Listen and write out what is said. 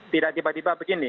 tidak tiba tiba begini